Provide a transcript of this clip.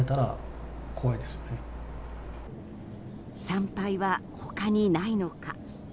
産廃は他にないのか？